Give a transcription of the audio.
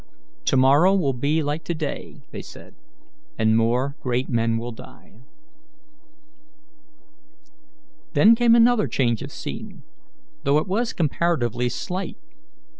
"To morrow will be like to day," they said, "and more great men will die." Then came another change of scene, though it was comparatively slight.